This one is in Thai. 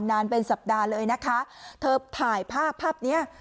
นานเป็นสัปดาห์เลยนะคะเธอถ่ายภาพภาพเนี้ย